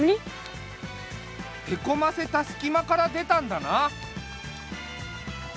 へこませたすきまからでたんだな。